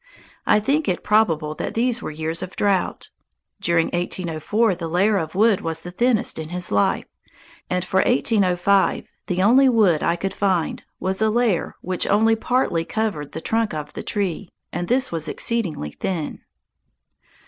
I think it probable that these were years of drought. During 1804 the layer of wood was the thinnest in his life, and for 1805 the only wood I could find was a layer which only partly covered the trunk of the tree, and this was exceedingly thin.